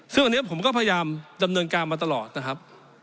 ซึ่งอันนี้ผมก็พยายามดำเนินการมาตลอดนะครับ